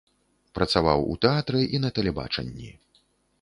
Працаваў у тэатры і на тэлебачанні.